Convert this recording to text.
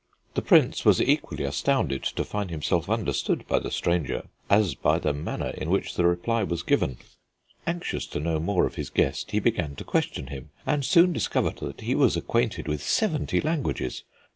The Prince was equally astounded to find himself understood by the stranger as by the manner in which the reply was given. Anxious to know more of his guest he began to question him, and soon discovered that he was acquainted with seventy languages.